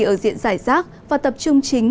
ở diện giải rác và tập trung chính